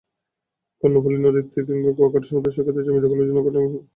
কর্ণফুলী নদীতীর কিংবা কুয়াকাটা সমুদ্রসৈকতের জমি দখলের ঘটনা অন্য কোনো জায়গার চেয়ে গুরুতর।